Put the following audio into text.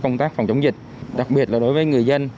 chấp hỏi hỏi hỏi hỏi